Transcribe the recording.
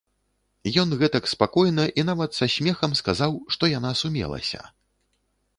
Ён гэтак спакойна і нават са смехам сказаў, што яна сумелася.